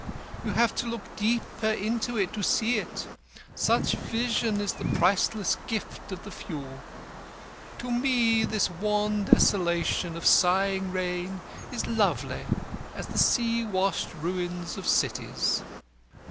You have to look deeper into it to see it; such vision is the priceless gift of the few. To me this wan desolation of sighing rain is lovely as the sea washed ruins of cities."